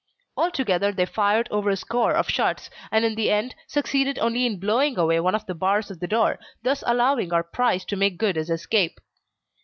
Altogether they fired over a score of shots, and in the end succeeded only in blowing away one of the bars of the door, thus allowing our prize to make good his escape.